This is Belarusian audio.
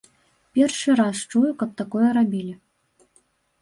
Першы раз чую, каб такое рабілі.